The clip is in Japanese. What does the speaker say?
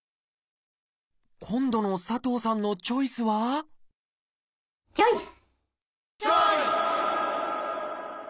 今度の佐藤さんのチョイスはチョイス！